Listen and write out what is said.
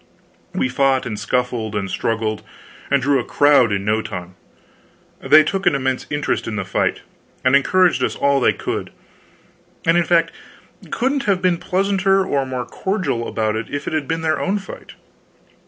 We fought and scuffled and struggled, and drew a crowd in no time. They took an immense interest in the fight and encouraged us all they could, and, in fact, couldn't have been pleasanter or more cordial if it had been their own fight.